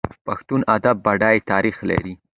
پښتو ادب بډای تاریخ لري.